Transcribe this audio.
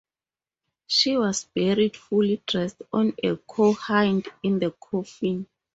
She was buried fully dressed on a cowhide in the coffin.